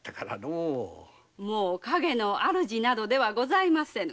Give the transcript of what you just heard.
もう陰の主ではございません。